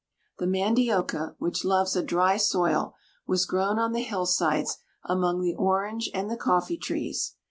The mandioca, which loves a dry soil, was grown on the hillsides among the orange and the coffee trees.